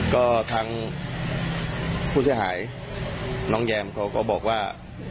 ก็ทั้งผู้เสียหายน้องแยมเขาก็บอกว่า